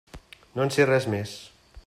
No en sé res més.